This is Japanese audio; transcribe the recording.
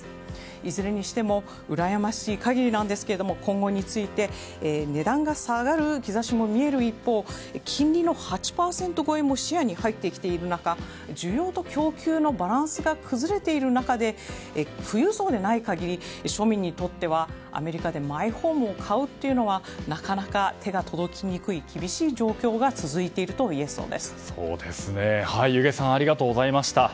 いずれにしてもうらやましい限りですけれども今後について値段が下がる兆しも見える一方金利の８％超えも視野に入ってきている中需要と供給のバランスが崩れている中で富裕層でない限り庶民にとってはアメリカでマイホームを買うというのはなかなか手が届きにくい厳しい状況が弓削さんありがとうございました。